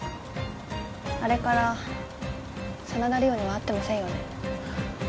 あれから真田梨央には会ってませんよね？